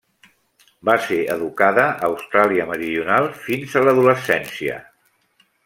Va ser educada a Austràlia Meridional fins a l'adolescència.